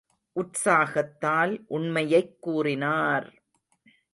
உற்சாகத்தால் உண்மையைக் கூறினார்!